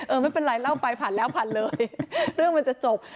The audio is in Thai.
ไม่เป็นไรเล่าไปผ่านแล้วผ่านเลยเรื่องมันจะจบ